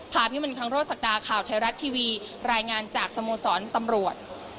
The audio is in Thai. พิมลคังโรศักดาข่าวไทยรัฐทีวีรายงานจากสโมสรตำรวจ